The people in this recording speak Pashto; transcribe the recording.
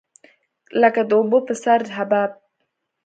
لکه د اوبو په سر حباب.